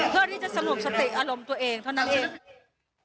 เพื่อที่จะสงบสติอารมณ์ตัวเองเท่านั้นเอง